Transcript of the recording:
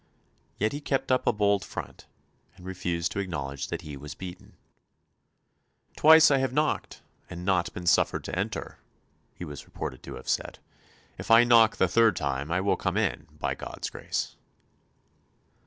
Yet he kept up a bold front, and refused to acknowledge that he was beaten. "Twice have I knocked, and not been suffered to enter," he was reported to have said. "If I knock the third time I will come in, by God's grace."